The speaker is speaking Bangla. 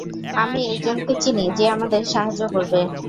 আমি একজনকে চিনি যে আমাদের সাহায্য করবে।